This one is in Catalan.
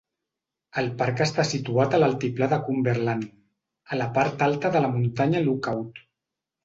El parc està situat a l'altiplà de Cumberland, a la part alta de la muntanya Lookout.